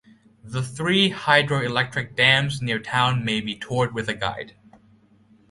The three hydroelectric dams near town may be toured with a guide.